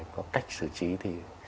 có cách xử trí thì